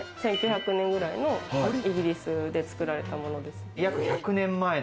１９００年頃のイギリスで作られたものです。